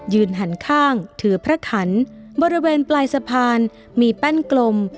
หันข้างถือพระขันบริเวณปลายสะพานมีแป้นกลม